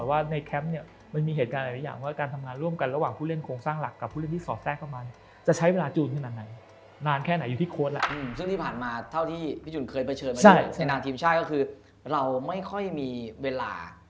เอาจริงก็เหมือนกับเสี่ยงโชคเขา